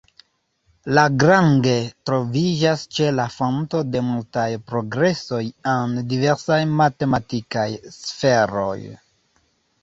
Lagrange troviĝas ĉe la fonto de multaj progresoj en diversaj matematikaj sferoj.